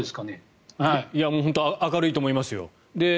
本当に明るいと思います。